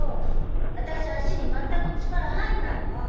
私足に全く力入んないもん。